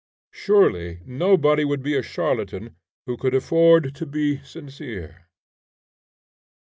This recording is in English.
Surely nobody would be a charlatan who could afford to be sincere.